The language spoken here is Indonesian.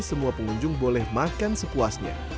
semua pengunjung boleh makan sepuasnya